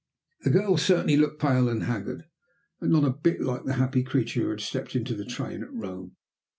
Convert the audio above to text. The girl certainly looked pale and haggard, and not a bit like the happy creature who had stepped into the train at Rome.